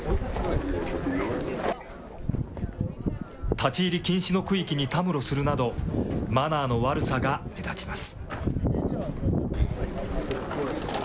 立ち入り禁止の区域にたむろするなど、マナーの悪さが目立ちます。